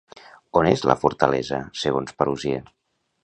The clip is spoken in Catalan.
On és la fortalesa, segons Paluzie?